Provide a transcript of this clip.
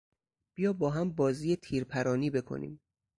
بیا باهم بازی تیرپرانی بکنیم.